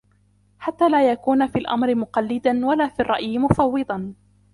حَتَّى لَا يَكُونَ فِي الْأَمْرِ مُقَلِّدًا وَلَا فِي الرَّأْيِ مُفَوِّضًا